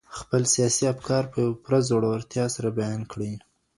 خپل سياسي افکار په پوره زړورتيا سره بيان کړئ.